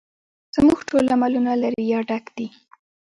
زموږ ټول عملونه له ریا ډک دي